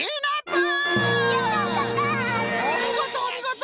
おみごとおみごと。